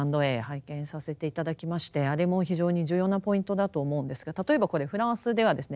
拝見させて頂きましてあれも非常に重要なポイントだと思うんですが例えばこれフランスではですね